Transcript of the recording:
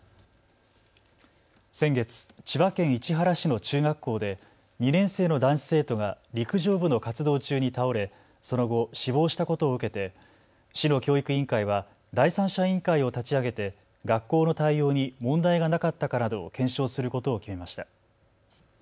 先月、千葉県市原市の中学校で２年生の男子生徒が陸上部の活動中に倒れ、その後、死亡したことを受けて市の教育委員会は第三者委員会を立ち上げて学校の対応に問題がなかったかなどを検証することを決めました。